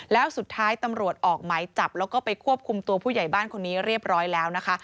แล้วสุดท้ายตำรวจออกหมายจับแล้วก็ไปควบคุมตัวผู้ใหญ่บ้านคนนี้เรียบร้อยแล้วนะคะ